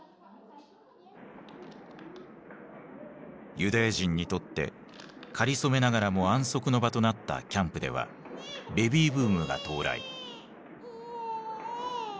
ユダヤ人にとってかりそめながらも安息の場となったキャンプではベビーブームが到来。